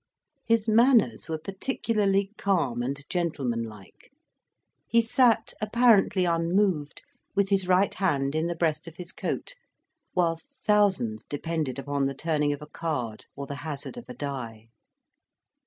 His manners were particularly calm and gentlemanlike; he sat apparently unmoved, with his right hand in the breast of his coat, whilst thousands depended upon the turning of a card or the hazard of a die.